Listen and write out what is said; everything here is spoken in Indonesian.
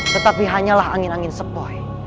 tetapi hanyalah angin angin sepoi